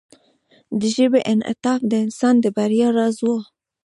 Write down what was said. د ژبې انعطاف د انسان د بریا راز و.